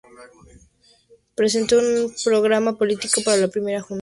Presentó un programa político para la Primera Junta, que tuvo una influencia notable.